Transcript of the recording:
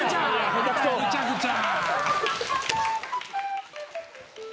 ぐちゃぐちゃ！